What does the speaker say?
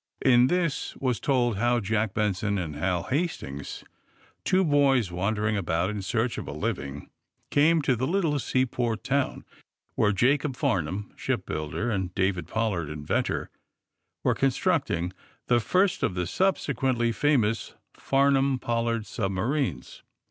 In this was told how Jack Benson and Hal Hast ings, two boys wandering about in search of a living, came to the little seaport town where Jacob Farnum, ship builder, and David Pol lard, inventor, were constructing the first of the subsequently famous Farnum Pollard subma rines.